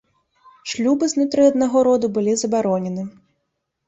Шлюбы знутры аднаго роду былі забаронены.